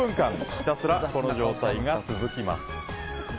ひたすらこの状態が続きます。